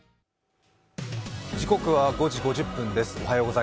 時刻は５時５０分です。